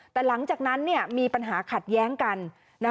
แต่หลังจากนั้นมีปัญหาขัดแย้งกัน